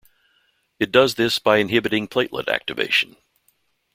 It does this by inhibiting platelet activation.